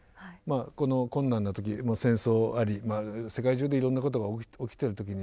この困難な時戦争あり世界中でいろんなことが起きてる時にですね